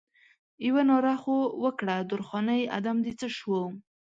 یوه ناره خو وکړه درخانۍ ادم دې څه شو؟